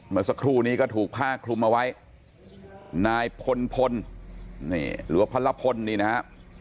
เมื่อสักครู่นี้ก็ถูกผ้าคลุมเอาไว้นายพลพลนี่หรือว่าพลพลนี่นะฮะ